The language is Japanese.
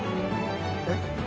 えっ？